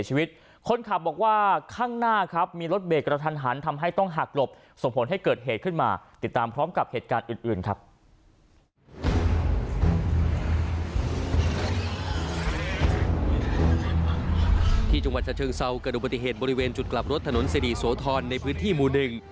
ที่จังหวัดชะเชิงเซาเกิดอุบัติเหตุบริเวณจุดกลับรถถนนสิริโสธรในพื้นที่หมู่หนึ่ง